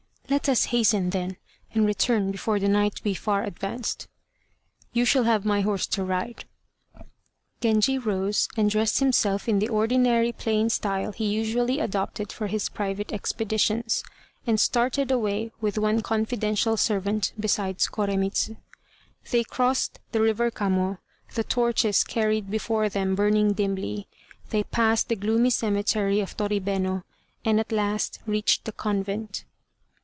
"Let us hasten, then, and return before the night be far advanced." "You shall have my horse to ride." Genji rose, and dressed himself in the ordinary plain style he usually adopted for his private expeditions, and started away with one confidential servant, besides Koremitz. They crossed the river Kamo, the torches carried before them burning dimly. They passed the gloomy cemetery of Toribeno, and at last reached the convent.